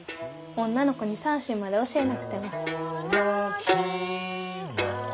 女の子に三線まで教えなくても。